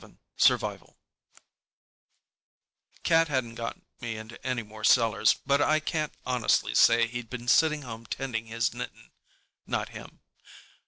] SURVIVAL Cat hadn't got me into anymore cellars, but I can't honestly say he'd been sitting home tending his knitting—not him.